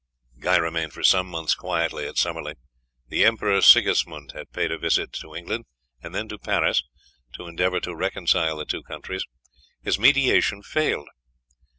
Guy remained for some months quietly at Summerley. The Emperor Sigismund had paid a visit to England, and then to Paris, to endeavour to reconcile the two countries. His mediation failed.